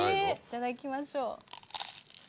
いただきましょう。